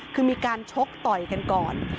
คือมีการชกต่อยกันก่อน